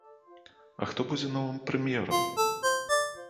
А хто будзе новым прэм'ерам?